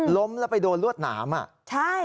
ล้มแล้วไปโดนรวดหนามใช่